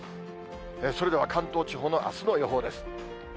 それでは関東地方のあすの予報です。